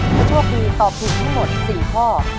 และทั่วปีตอบถูกทั้งหมด๔ข้อ